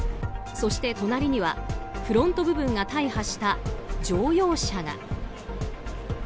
そして隣にはフロント部分が大破した乗用車が。